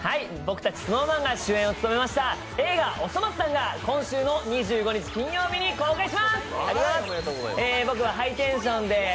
僕たちＳｎｏｗＭａｎが主演を務めました映画「おそ松さん」が今週の２５日金曜日に公開します。